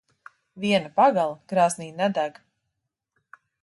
Viena pagale krāsnī nedeg.